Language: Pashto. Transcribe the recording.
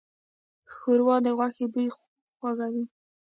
ښوروا د غوښې بوی خوږوي.